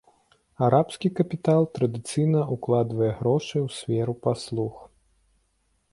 Арабскі капітал традыцыйна укладвае грошы ў сферу паслуг.